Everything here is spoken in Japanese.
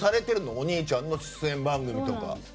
お兄ちゃんの出演番組とか。